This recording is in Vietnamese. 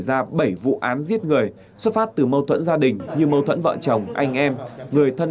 ra bảy vụ án giết người xuất phát từ mâu thuẫn gia đình như mâu thuẫn vợ chồng anh em người thân